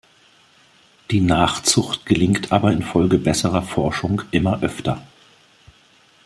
Die Nachzucht gelingt aber infolge besserer Forschung immer öfter.